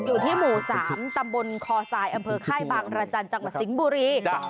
อยู่ที่หมู่๓ตำบลคอทรายอำเภอค่ายบางรจันทร์จังหวัดสิงห์บุรี